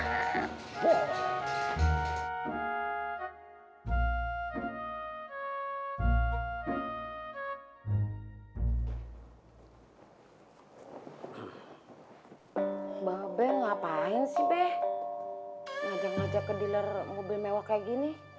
mbak be ngapain sih be ngajak ngajak ke dealer mobil mewah kayak gini